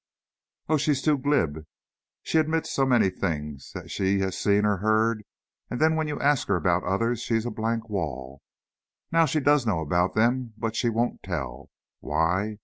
"Oh, she's too glib. She admits so many things that she has seen or heard and then when you ask her about others, she is a blank wall. Now, she does know about them, but she won't tell. Why?